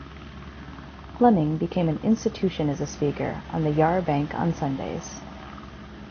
Fleming became an institution as a speaker on the Yarra Bank on Sundays.